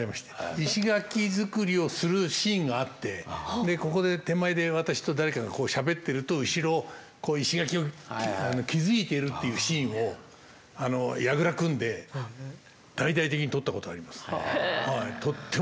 石垣造りをするシーンがあってここで手前で私と誰かがこうしゃべってると後ろをこう石垣を築いているというシーンを櫓組んで大々的に撮ったことありますね。